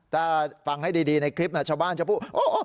ถ้าฟังให้ดีในคลิปชาวบ้านจะพูด